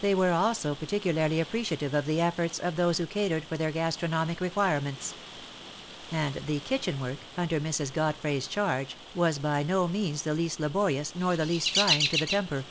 They were also particularly appreciative of the efforts of those who catered for their gastronomic requirements. And the kitchen work, under Mrs. Godfray's charge, was by no means the least laborious nor the least trying to the temper.